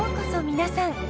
皆さん。